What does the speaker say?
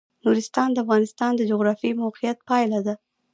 نورستان د افغانستان د جغرافیایي موقیعت پایله ده.